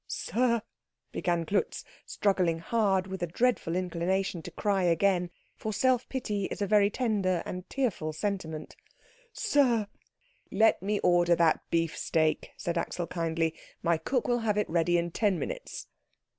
"Sir," began Klutz, struggling hard with a dreadful inclination to cry again, for self pity is a very tender and tearful sentiment, "Sir " "Let me order that beefsteak," said Axel kindly. "My cook will have it ready in ten minutes."